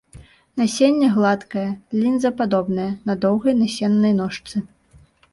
Насенне гладкае, лінзападобнае, на доўгай насеннай ножцы.